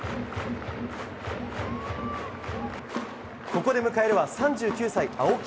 ここで迎えるは３９歳、青木。